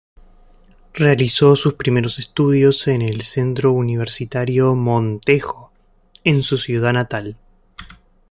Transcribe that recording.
Realizó sus primeros estudios en el Centro Universitario Montejo, en su ciudad natal.